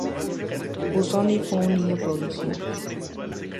Busoni fue un niño prodigio.